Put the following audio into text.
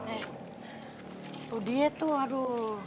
eh tuh diet tuh aduh